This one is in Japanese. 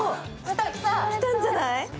来たんじゃない？